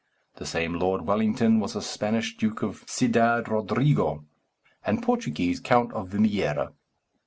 The same Lord Wellington was a Spanish Duke of Ciudad Rodrigo, and Portuguese Count of Vimiera.